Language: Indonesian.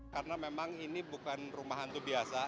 karena memang ini bukan rumah hantu biasa